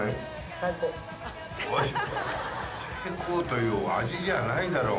最高という味じゃないだろう。